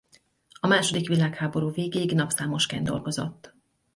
A második világháború végéig napszámosként dolgozott.